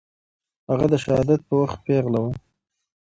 هغه د شهادت په وخت پېغله وه.